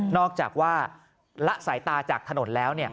อกจากว่าละสายตาจากถนนแล้ว